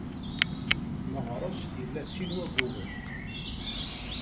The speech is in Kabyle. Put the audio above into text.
Meɣres ila sin n wayyuren.